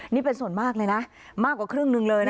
นี่เป็นส่วนมากเลยนะมากกว่าครึ่งหนึ่งเลยนะ